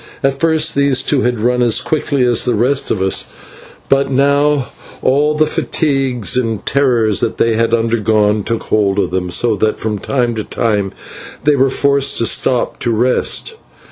At first these two had run as quickly as the rest of us, but now all the fatigues and terrors that they had undergone took hold of them, so that from time to time they were forced to stop and rest.